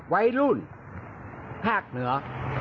ไวรุ่นภาคเหนือ